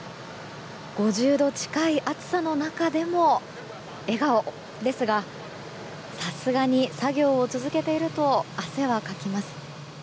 ５０度近い暑さの中でも笑顔ですがさすがに作業を続けていると汗はかきます。